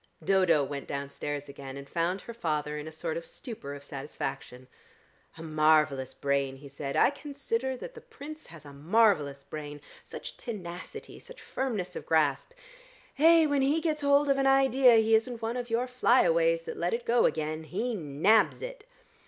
Dodo went downstairs again, and found her father in a sort of stupor of satisfaction. "A marvellous brain," he said. "I consider that the Prince has a marvellous brain. Such tenacity! Such firmness of grasp! Eh, when he gets hold of an idea, he isn't one of your fly aways that let it go again. He nabs it."